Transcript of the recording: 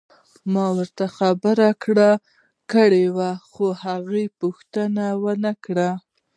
ما ورته خبرې کړې وې خو هغه پوښتنه ونه کړه.